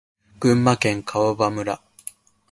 群馬県川場村